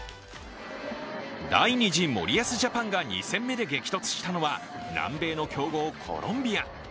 第２次森保ジャパンが２戦目で激突したのは南米の強豪・コロンビア。